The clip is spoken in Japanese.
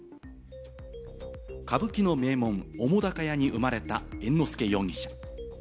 歌舞伎の名門・澤瀉屋に生まれた猿之助容疑者。